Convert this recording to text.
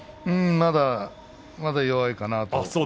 まだ弱いかなと。